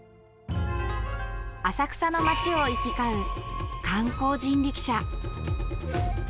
浅草の街を行き交う観光人力車。